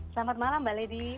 selamat malam mbak lady